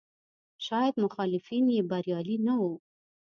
شاید مخالفین یې بریالي نه وو.